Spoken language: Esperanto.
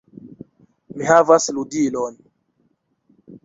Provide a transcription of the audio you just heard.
"Mi havas ludilon!"